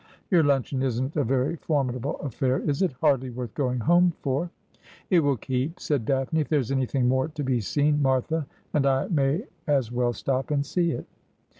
' Your luncheon isn't a very formidable afEair, is it — hardly worth going home for ?'' It will keep,' said Daphne. ' If there is anything more to be seen, Martha and I may as well stop and see it.'